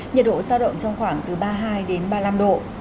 nhiệt độ giao động trong khoảng từ ba mươi hai ba mươi năm độ